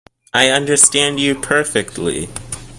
I understand you perfectly.